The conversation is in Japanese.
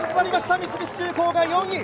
三菱重工が４位。